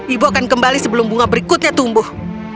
ibu akan kembali sebelum bunga berikutnya tumbuh